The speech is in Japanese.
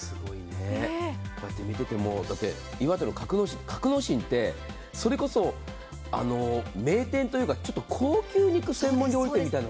こうやって見てても、岩手の格之進、格之進って、それこそ名店というか高級肉専門料理店みたいなね。